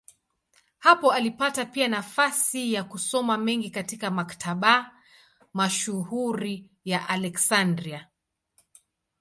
Hapa alipata pia nafasi ya kusoma mengi katika maktaba mashuhuri ya Aleksandria.